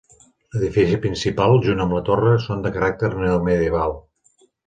L'edifici principal, junt amb la torre, són de caràcter neomedieval.